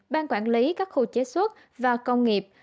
ban quản lý các khu chế xuất và công nghiệp